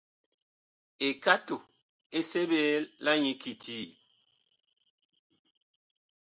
Ekato ɛ seɓe la nyi kiti ?